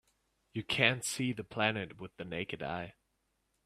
You can't see the planet with the naked eye.